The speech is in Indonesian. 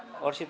di sini bersih